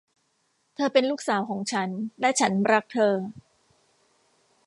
เธอเป็นลูกสาวของฉัน และฉันรักเธอ